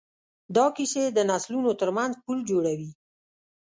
دا کیسې د نسلونو ترمنځ پل جوړوي.